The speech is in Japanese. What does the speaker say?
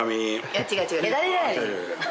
違う違う。